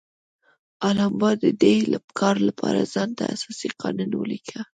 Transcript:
الاباما د دې کار لپاره ځان ته اساسي قانون ولیکه.